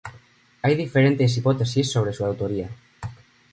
Hay diferentes hipótesis sobre su autoría.